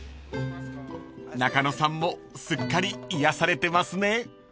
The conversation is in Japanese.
［中野さんもすっかり癒やされてますね］